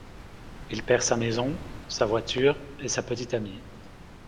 Il perd sa maison, sa voiture et sa petite amie.